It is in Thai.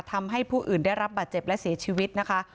ทำให้ผู้อื่นได้รับบาดเจ็บและเสียชีวิตนะคะ